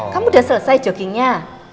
kamu udah selesai joggingnya